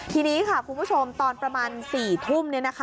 ทีนี้ค่ะคุณผู้ชมตอนประมาณ๔ทุ่ม